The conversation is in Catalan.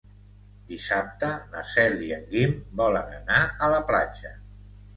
Dissabte na Cel i en Guim volen anar a la platja.